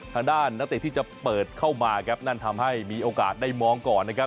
นักเตะที่จะเปิดเข้ามาครับนั่นทำให้มีโอกาสได้มองก่อนนะครับ